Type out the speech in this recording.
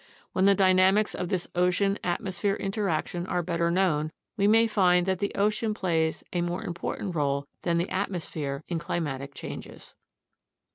When the dynamics of this ocean atmosphere interaction are better known, we may find that the ocean plays a more important role than the atmosphere in climatic changes.